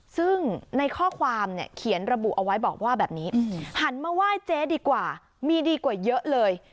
ซึ่งในข้อความเนี่ยเขียนระบุเอาไว้บอกว่าแบบนี้หันมาไหว้เจ๊ดีกว่ามีดีกว่าเยอะเลย